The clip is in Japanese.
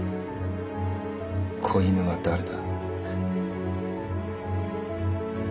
子犬は誰だ？